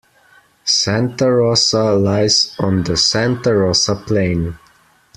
Santa Rosa lies on the Santa Rosa Plain.